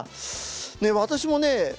私もね